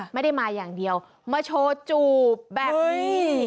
ไม่ได้มาอย่างเดียวมาโชว์จูบแบบนี้